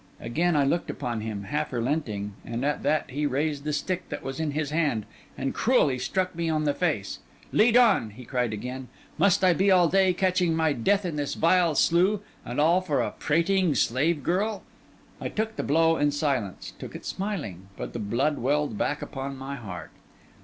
Again I looked upon him, half relenting; and at that he raised the stick that was in his hand and cruelly struck me on the face. 'Lead on!' he cried again. 'Must I be all day, catching my death in this vile slough, and all for a prating slave girl?' I took the blow in silence, I took it smiling; but the blood welled back upon my heart.